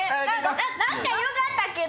何かよかったけど。